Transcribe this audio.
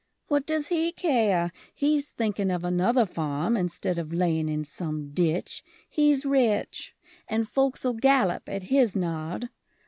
What does he care? He's thinking of another farm, Instead of laying in some ditch He's rich! And folk'll gallop at his nod.